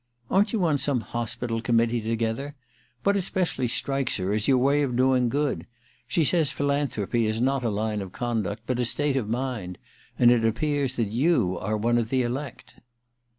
* Aren't you on some hospital committee together ? What especially strikes her is your way of doing good. She says philanthropy is u 290 THE QUICKSAND i not a line of conduct but a state of mind — ^and it appears that you are one of the elect.'